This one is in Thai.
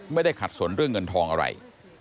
ไม่ได้ขัดสนเรื่องเงินทองอะไร